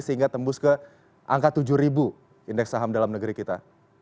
sehingga tembus ke angka tujuh indeks saham dalam negeri kita